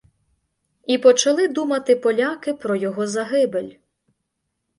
І почали думати поляки про його загибель.